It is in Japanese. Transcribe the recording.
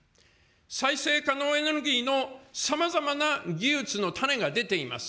再生可能エネルギーのさまざまな技術の種が出ています。